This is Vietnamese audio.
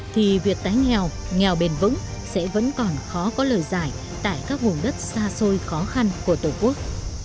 thì việc tái nghèo nghèo bền vững sẽ vẫn còn khó có lời giải tại các vùng đất xa xôi khó khăn của tổ quốc